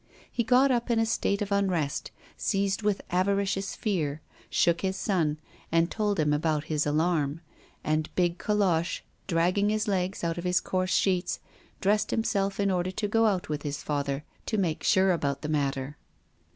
He got up in a state of unrest, seized with avaricious fear, shook his son, and told him about his alarm; and big Colosse, dragging his legs out of his coarse sheets, dressed himself in order to go out with his father, to make sure about the matter.